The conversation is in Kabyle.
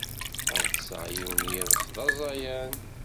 Ad ṭṭseɣ yiwen n yiḍes d aẓayan.